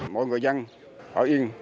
mọi người dân ở yên